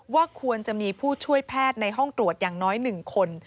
ว่าควรจะมีผู้ช่วยแพทย์ในห้องตรวจอย่างน้อย๑คน